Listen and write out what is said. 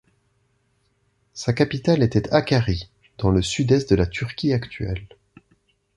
Sa capitale était Hakkari, dans le sud-est de la Turquie actuelle.